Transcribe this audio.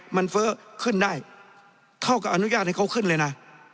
มันเฟ้อขึ้นได้เท่ากับอนุญาตให้เขาขึ้นเลยนะ